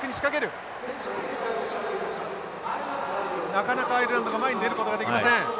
なかなかアイルランドが前に出ることができません。